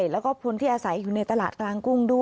แล้วก็คนที่อาศัยอยู่ในตลาดกลางกุ้งด้วย